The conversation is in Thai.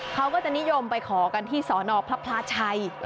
เขาก็จะนิยมไปขอกันที่สนพระพลาชัย